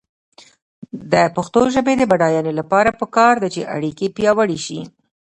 د پښتو ژبې د بډاینې لپاره پکار ده چې اړیکې پیاوړې شي.